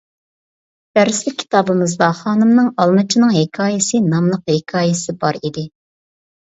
دەرسلىك كىتابىمىزدا خانىمنىڭ «ئالمىچىنىڭ ھېكايىسى» ناملىق ھېكايىسى بار ئىدى.